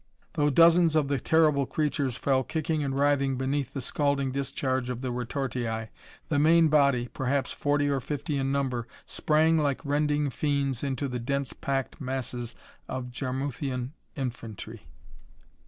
Though dozens of the terrible creatures fell kicking and writhing beneath the scalding discharge of the retortii, the main body, perhaps forty or fifty in number, sprang like rending fiends into the dense packed masses of Jarmuthian infantry.